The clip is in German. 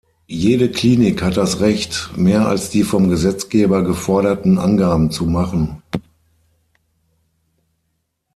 Jede Klinik hat das Recht, mehr als die vom Gesetzgeber geforderten Angaben zu machen.